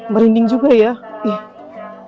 merinding juga ya